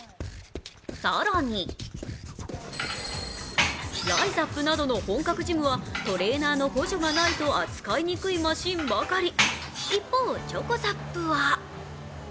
更にライザップなどの本格ジムはトレーナーの補助がないと扱いにくいマシンばかり。